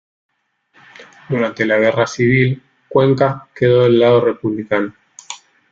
Durante la Guerra Civil, Cuenca quedó del lado republicano.